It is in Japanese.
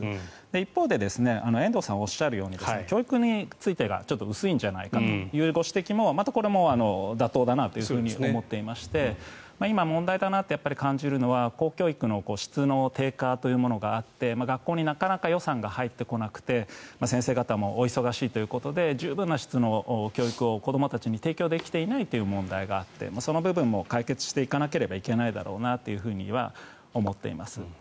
一方で遠藤さんがおっしゃるように教育についてが薄いんじゃないかというご指摘もまたこれも妥当だなと思っていまして今、問題だなと感じるのは公教育の質の低下というものがあって学校になかなか予算が入ってこなくて先生方もお忙しいということで十分な質の教育を子どもたちに提供できていないという問題があってその部分も解決していかなければいけないだろうなとは思っています。